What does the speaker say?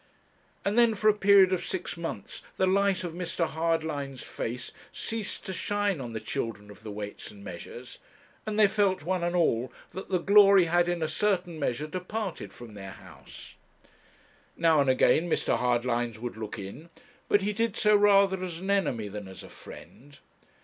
And then, for a period of six months, the light of Mr. Hardlines' face ceased to shine on the children of the Weights and Measures, and they felt, one and all, that the glory had in a certain measure departed from their house. Now and again Mr. Hardlines would look in, but he did so rather as an enemy than as a friend.